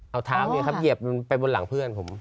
เอาเท้าเหยียบไปบนหลังเพื่อนผม